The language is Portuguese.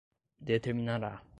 determinará